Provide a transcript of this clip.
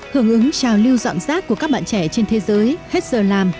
hưởng ứng trào lưu dọn rác của các bạn trẻ trên thế giới hết giờ làm